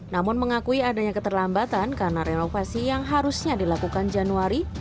namun mengakui adanya keterlambatan karena renovasi yang harusnya dilakukan januari